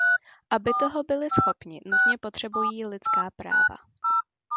Aby toho byli schopni, nutně potřebují lidská práva.